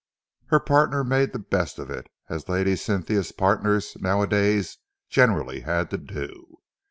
Her partner made the best of it, as Lady Cynthia's partners, nowadays, generally had to.